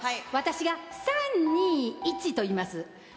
私が３、２、１と言います。